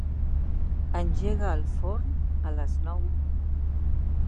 Engega el forn a les nou.